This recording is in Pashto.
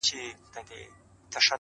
تر شا خلک دلته وېره د زمري سوه-